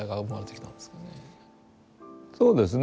そうですね